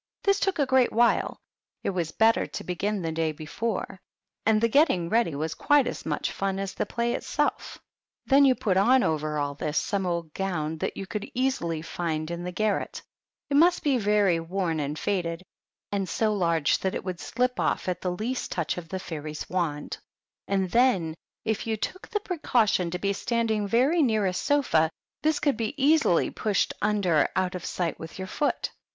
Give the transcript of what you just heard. This took a great while ; it was better to begin the day before; and the getting ready was quite as much fun as the play itself. Then you put on over all this some old gown that you could easily find in the garret; it must be very worn and faded, and so large that it would slip off at the least touch of the fairy's wand ; and then, if you took the precau tion to be standing very near a sofa, this could be easily pushed under out of sight with your foot.